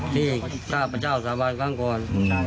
ที่ก้าวพระเจ้าสาบานข้างก่อน